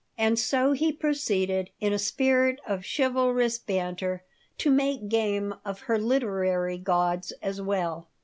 And so he proceeded, in a spirit of chivalrous banter, to make game of her literary gods as well.